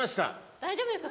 大丈夫ですか？